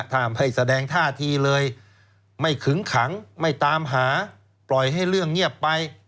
ถ้าไม่แสดงท่าทีเลยไม่ขึงขังไม่ตามหาปล่อยให้เรื่องเงียบไป